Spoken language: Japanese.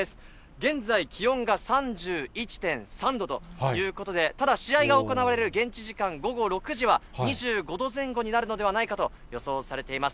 現在、気温が３１．３度ということで、ただ、試合が行われる現地時間午後６時は、２５度前後になるのではないかと予想されています。